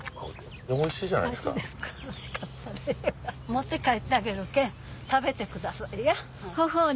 持って帰ってあげるけん食べてくださいや。